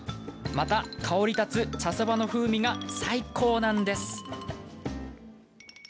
また、香りたつ茶そばの風味が最高なんです。